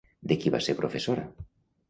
De qui va ser professora?